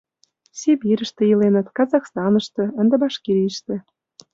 Сибирьыште иленыт, Казахстаныште, ынде Башкирийыште...